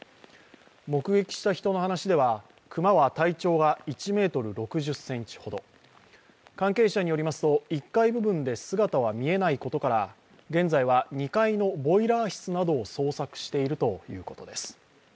目撃した人の話では、熊は体長が１ｍ６０ｃｍほど、関係者によりますと、１階部分で姿は見えないことから現在は２階のボイラー室などを捜索しているということです。